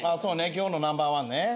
今日のナンバーワンね。